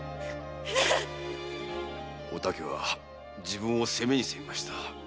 〕お竹は自分を責めに責めました。